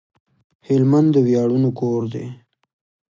هلمند د وياړونو کور دی